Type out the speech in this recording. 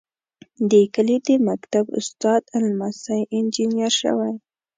د کلي د مکتب استاد لمسی انجنیر شوی.